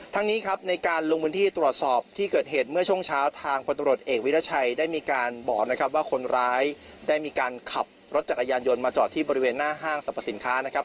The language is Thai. นี้ครับในการลงพื้นที่ตรวจสอบที่เกิดเหตุเมื่อช่วงเช้าทางพลตรวจเอกวิรัชัยได้มีการบอกนะครับว่าคนร้ายได้มีการขับรถจักรยานยนต์มาจอดที่บริเวณหน้าห้างสรรพสินค้านะครับ